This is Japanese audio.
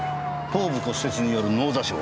頭部骨折による脳挫傷。